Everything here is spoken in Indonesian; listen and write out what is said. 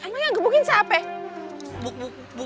emang gak gebukin siapa ya